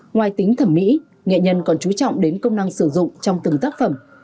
ngoài tính thẩm mỹ nghệ nhân còn trú trọng đến công năng sử dụng trong từng tác phẩm